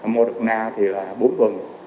moderna thì là bốn tuần